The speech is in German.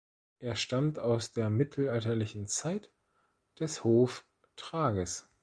Er stammt aus der mittelalterlichen Zeit des Hof Trages.